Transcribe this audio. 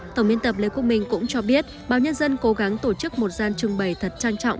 tổng biên tập lê quốc minh cũng cho biết báo nhân dân cố gắng tổ chức một gian trưng bày thật trang trọng